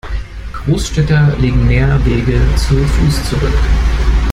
Großstädter legen mehr Wege zu Fuß zurück.